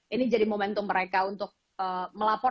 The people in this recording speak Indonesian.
ini jadi momentum mereka untuk melapor